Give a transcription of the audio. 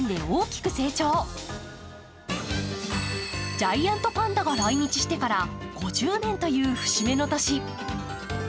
ジャイアントパンダが来日してから５０年という節目の年。